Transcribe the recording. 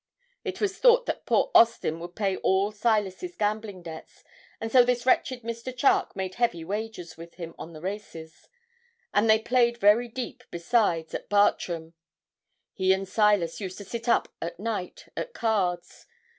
It was thought that poor Austin would pay all Silas's gambling debts, and so this wretched Mr. Charke made heavy wagers with him on the races, and they played very deep, besides, at Bartram. He and Silas used to sit up at night at cards.